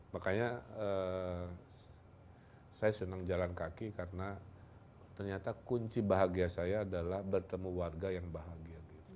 makanya saya senang jalan kaki karena ternyata kunci bahagia saya adalah bertemu warga yang bahagia gitu